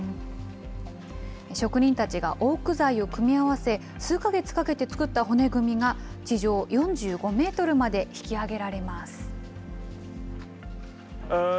職人たちがオーク材を組み合わせ、数か月かけて作った骨組みが、地上４５メートルまで引き上げられます。